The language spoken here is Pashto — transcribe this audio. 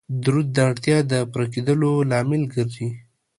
درود د اړتیاو د پوره کیدلو لامل ګرځي